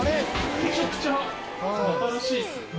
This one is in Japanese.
めちゃくちゃ新しいっすね。